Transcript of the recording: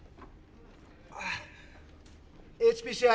あＨＰＣＩ